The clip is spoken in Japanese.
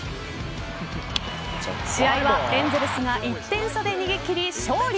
試合はエンゼルスが１点差で逃げ切り、勝利。